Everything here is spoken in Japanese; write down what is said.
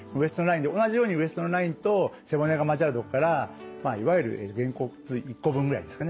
同じようにウエストのラインと背骨が交わるとこからいわゆるげんこつ１個分ぐらいですかね。